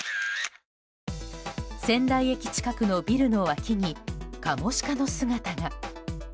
仙台駅近くのビルの脇にカモシカの姿が。